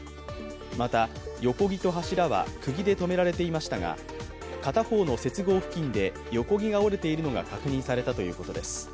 また、横木と柱はくぎでとめられていましたが、片方の接合付近で横木が折れているのが確認されたということです。